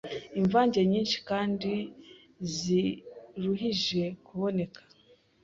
Imvange Nyinshi kandi Ziruhije kuboneka